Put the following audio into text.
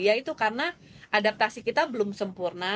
yaitu karena adaptasi kita belum sempurna